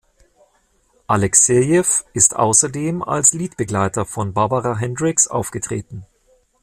Alexejew ist außerdem als Liedbegleiter von Barbara Hendricks aufgetreten.